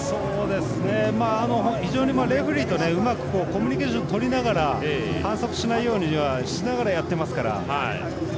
非常にレフリーとうまくコミュニケーションとりながら反則しないようにしながらやっていますから。